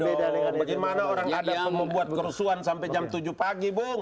beda dengan bagaimana orang ada yang membuat kerusuhan sampai jam tujuh pagi bung